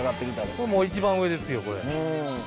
これもう一番上ですよこれ。